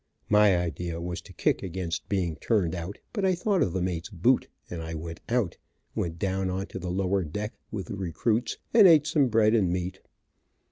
My idea was to kick against being turned out, but I thought of the mate's boot, and I went out, went down on the lower deck with the recruits, and eat some bread and meat.